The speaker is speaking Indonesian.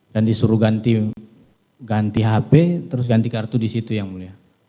dan disuruh ganti hp terus ganti kartu disitu yang mulia